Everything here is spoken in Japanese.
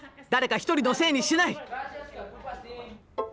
誰か１人のせいにしない。